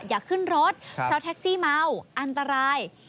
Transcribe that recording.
อย่าขึ้นรถเพราะแท็กซี่เมาอันตราย